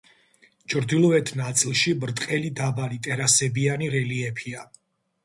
ჩრდილოეთ ნაწილში ბრტყელი დაბალი ტერასებიანი რელიეფია.